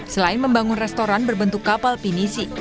selain membangun restoran berbentuk kapal pinisi